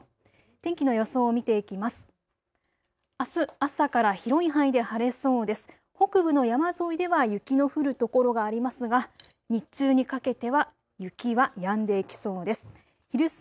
天気の予想を見ていきます。